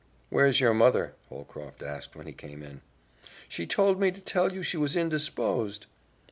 "Where's your mother?" Holcroft asked when he came in. "She told me to tell you she was indisposed."